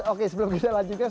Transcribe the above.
oke sebelum kita lanjutkan